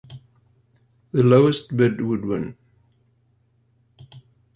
The lowest bid would win.